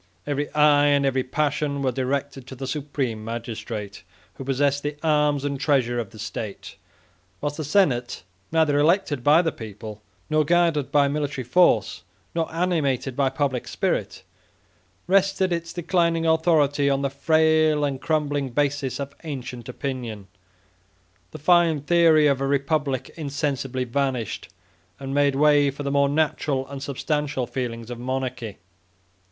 Every eye and every passion were directed to the supreme magistrate, who possessed the arms and treasure of the state; whilst the senate, neither elected by the people, nor guarded by military force, nor animated by public spirit, rested its declining authority on the frail and crumbling basis of ancient opinion. The fine theory of a republic insensibly vanished, and made way for the more natural and substantial feelings of monarchy.